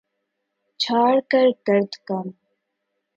جھاڑ کر گرد غم